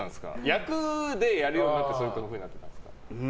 役でやるようになってそういうふうになったんですか？